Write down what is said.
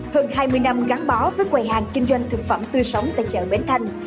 hơn hai mươi năm gắn bó với quầy hàng kinh doanh thực phẩm tươi sống tại chợ bến thành